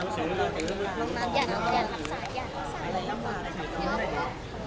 สวัสดีคุณครับสวัสดีคุณครับ